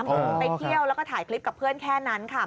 ถึงไปเที่ยวแล้วก็ถ่ายคลิปกับเพื่อนแค่นั้นค่ะ